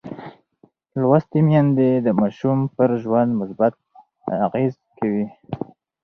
لوستې میندې د ماشوم پر ژوند مثبت اغېز کوي.